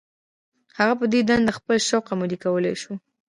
هغه په دې دنده خپل شوق عملي کولای شو.